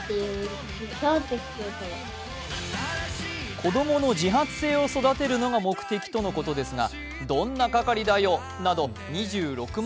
子供の自発性を育てるのが目的とのことですがどんな係だよ、など２６万